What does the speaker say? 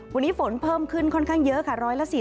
วันนี้ฝนเพิ่มขึ้นค่อนข้างเยอะค่ะ